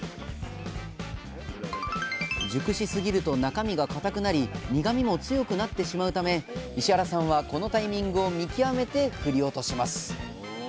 熟しすぎると中身が硬くなり苦みも強くなってしまうため石原さんはこのタイミングを見極めて振り落とします。